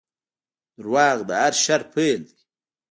• دروغ د هر شر پیل دی.